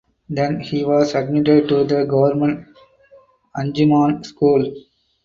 Then he was admitted to the Government Anjuman School.